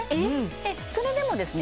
でそれでもですね